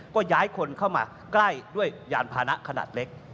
ก็ย้ายคนเข้ามาใกล้ด้วยยานพานะขนาดเล็ก